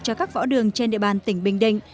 cho các võ đường trên địa bàn tỉnh bình định